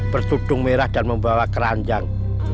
bersudung merah dan membawa keranjang